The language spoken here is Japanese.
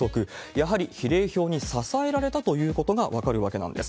やはり比例票に支えられたということが分かるわけなんです。